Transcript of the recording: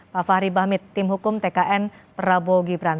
pak fahri bahmit tim hukum tkn prabowo gibran